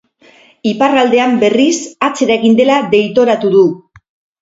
Iparraldean, berriz, atzera egin dela deitoratu du.